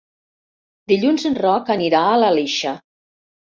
Dilluns en Roc anirà a l'Aleixar.